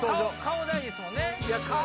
顔大事ですもんね。